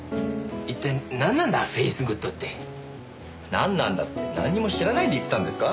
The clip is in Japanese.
なんなんだってなんにも知らないで言ってたんですか？